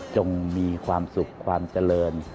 มีความสุขความเจริญ